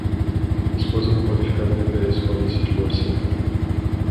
Esposa não pode ficar de pé e escolhe se divorciar